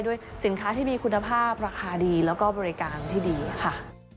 ด้วยสินค้าที่มีคุณภาพราคาดีแล้วก็บริการที่ดีค่ะ